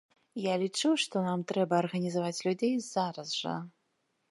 Я лічу, што нам трэба арганізаваць людзей зараз жа.